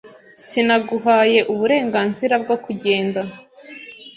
Sinaguhaye uburenganzira bwo kugenda .